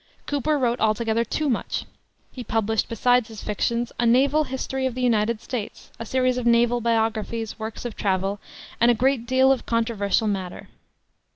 Cooper wrote altogether too much; he published, besides his fictions, a Naval History of the United States, a series of naval biographies, works of travel, and a great deal of controversial matter.